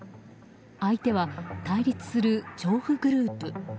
相手は対立する調布グループ。